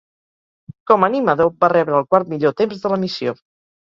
Com a animador, va rebre el quart millor temps de l'emissió.